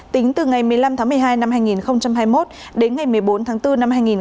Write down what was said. tính từ ngày một mươi năm tháng một mươi hai năm hai nghìn hai mươi một đến ngày một mươi bốn tháng bốn